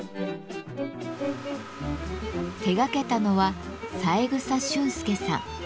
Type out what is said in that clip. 手掛けたのは三枝俊介さん。